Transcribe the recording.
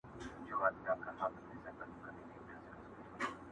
سُر به په خپل تار کي زیندۍ وي شرنګ به نه مستوي٫